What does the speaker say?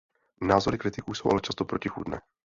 Názory kritiků jsou ale často protichůdné.